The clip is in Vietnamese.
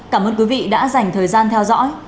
cảm ơn quý vị đã dành thời gian theo dõi